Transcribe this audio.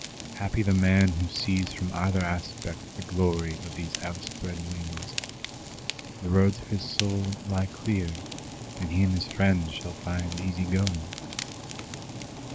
Happy the man who sees from either aspect the glory of these outspread wings. The roads of his soul lie clear, and he and his friends shall find easy going.